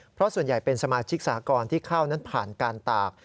เพราะส่วนใหญ่เป็นสมาชิกสากรที่เข้านั้นผ่านการตาก